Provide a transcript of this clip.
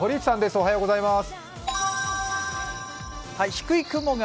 おはようございます。